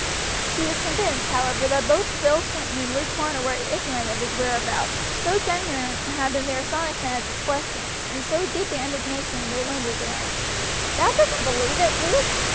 He was convinced, however, that both Bill Swinton and Luke Marner were ignorant of his whereabouts, so genuine had been their astonishment at his questions, and so deep their indignation when they learned his errand. "Thou duss'n't believe it, Luke?"